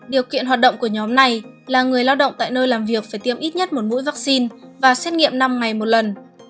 điều kiện hoạt động của nhóm này là người lao động tại nơi làm việc phải tiêm ít nhất một mũi vaccine và xét nghiệm năm ngày một lần